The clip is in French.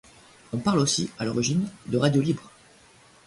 On parle aussi, à l'origine, de radios libres.